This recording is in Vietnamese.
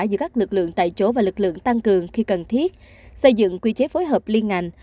giữa các lực lượng tại chỗ và lực lượng tăng cường khi cần thiết xây dựng quy chế phối hợp liên ngành